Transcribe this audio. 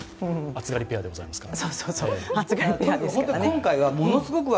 暑がりペアでございますから。